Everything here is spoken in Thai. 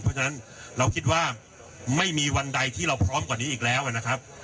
เพราะฉะนั้นเราคิดว่าไม่มีวันใดที่เราพร้อมกว่านี้อีกแล้วนะครับ